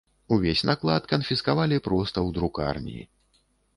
Увесь наклад канфіскавалі проста ў друкарні.